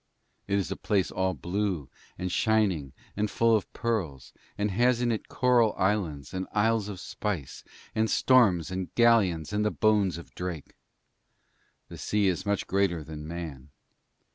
It is a place all blue and shining and full of pearls, and has in it coral islands and isles of spice, and storms and galleons and the bones of Drake. The sea is much greater than Man.